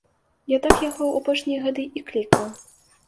Я так яго ў апошнія гады і клікаў.